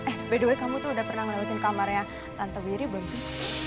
eh by the way kamu tuh udah pernah melewati kamarnya tante wiri belum